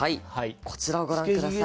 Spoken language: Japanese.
こちらをご覧下さい。